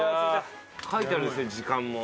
書いてあるんですね時間も。